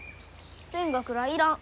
勉学らあいらん。